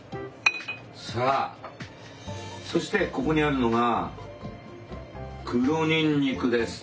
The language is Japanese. さあそしてここにあるのが黒にんにくです。